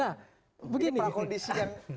nah begini ini prakondisi yang